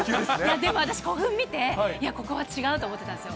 でも私、古墳見て、いや、ここは違うと思ってたんですよ。